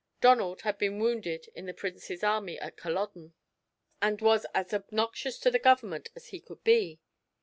Donald had been wounded in the Prince's army at Culloden, and was as obnoxious to the Government as he could be.